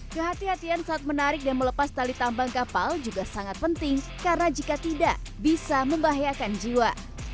kehatian saat menarik dan melepas tali tambang kapal juga sangat penting karena jika tidak bisa membahayakan jiwa